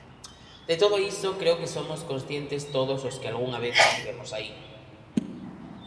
De todo isto creo que somos conscientes todos os que algunha vez estivemos aí.